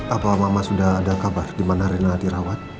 apa mama sudah ada kabar dimana rina dirawat